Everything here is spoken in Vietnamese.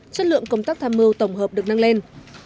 chất lượng công tác tham mưu tổng hợp được nâng lên